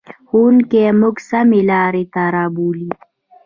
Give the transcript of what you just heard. ښوونکی موږ سمې لارې ته رابولي.